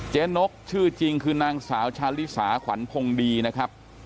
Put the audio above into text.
นกชื่อจริงคือนางสาวชาลิสาขวัญพงดีนะครับ